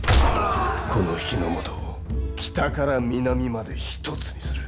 この日ノ本を北から南まで一つにする。